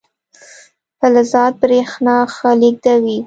فلزات برېښنا ښه لیږدوي.